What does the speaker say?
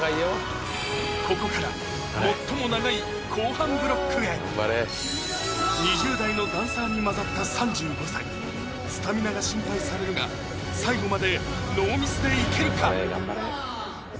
ここから最も長い２０代のダンサーに交ざった３５歳スタミナが心配されるが最後までノーミスで行けるか？